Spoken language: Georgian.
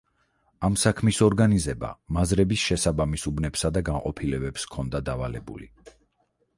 ამ საქმის ორგანიზება მაზრების შესაბამის უბნებსა და განყოფილებებს ჰქონდა დავალებული.